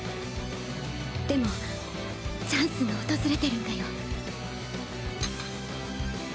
でもチャンスが訪れてるんだよ。